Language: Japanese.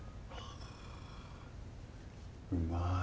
うまい。